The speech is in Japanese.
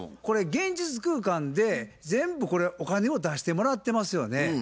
これ現実空間で全部これお金を出してもらってますよね。